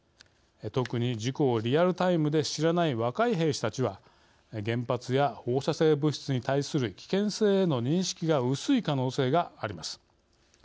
特に事故をリアルタイムで知らない若い兵士たちは原発や放射性物質に対する危険性への認識が薄い可能性があります。